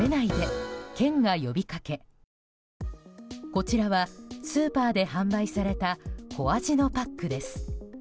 こちらはスーパーで販売された小アジのパックです。